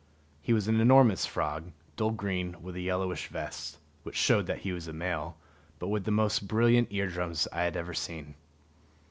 He was an enormous frog, dull green with a yellowish vest which showed that he was a male but with the most brilliant ear drums I had ever seen.